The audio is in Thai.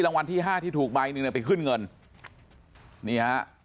รางวัลที่ห้าที่ถูกใบหนึ่งเนี่ยไปขึ้นเงินนี่ฮะ